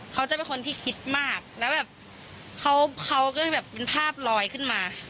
เขาจะเป็นคนที่คิดมากแล้วแบบเขาก็เลยแบบเป็นภาพลอยขึ้นมา